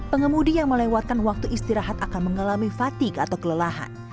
pengemudi yang melewatkan waktu istirahat akan mengalami fatigue atau kelelahan